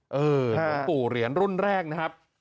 หลวงปู่เหรียญรุ่นแรกนะครับ